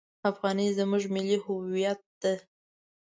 افغانۍ زموږ ملي هویت ده!